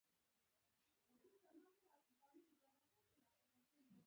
خور د درناوي وړ شخصیت لري.